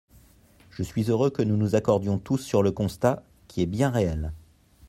Je suis heureux que nous nous accordions tous sur le constat, qui est bien réel.